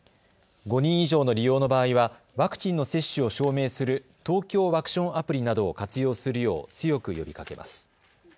５人以上の利用の場合はワクチンの接種を証明するＴＯＫＹＯワクションアプリなどを活用するよう強く呼びかけます。